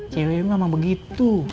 cewek lu emang begitu